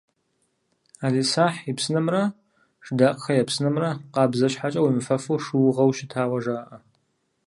«ӏэлисахь и псынэмрэ» «Шыдакъхэ я псынэмрэ» къабзэ щхьэкӏэ, уемыфэфу шыугъэу щытауэ жаӏэ.